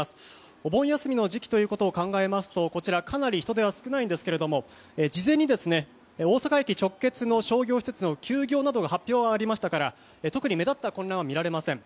お盆休みの時期ということを考えますとこちらかなり人出は少ないんですが事前に大阪駅直結の商業施設の休業などが発表ありましたから特に目立った混乱は見られません。